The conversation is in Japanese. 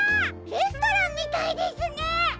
レストランみたいですね！